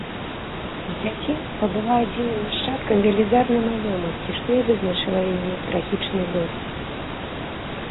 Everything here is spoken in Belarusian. З дзяцінства была адзіным нашчадкам велізарнай маёмасці, што і вызначыла яе трагічны лёс.